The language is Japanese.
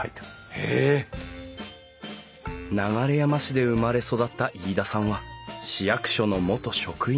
流山市で生まれ育った飯田さんは市役所の元職員。